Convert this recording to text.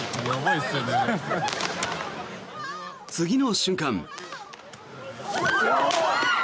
次の瞬間。